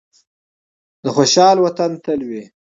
د خوشحال وطن تل وي.